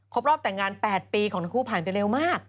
รอบแต่งงาน๘ปีของทั้งคู่ผ่านไปเร็วมาก